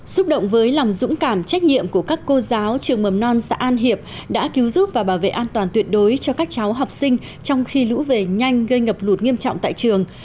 xúc động với lòng dũng cảm trách nhiệm của các cô giáo trường mầm non xã an hiệp đã cứu giúp và bảo vệ an toàn tuyệt đối cho các cháu học sinh trong khi lũ về nhanh gây ngập lụt nghiêm trọng tại trường